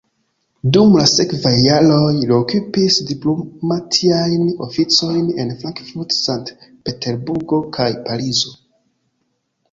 Dum la sekvaj jaroj, li okupis diplomatiajn oficojn en Frankfurt, Sankt-Peterburgo kaj Parizo.